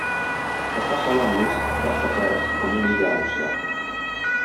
Està sola enmig dels deserts com una illa a l'oceà.